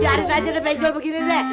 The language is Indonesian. biarin aja deh bejjol begini deh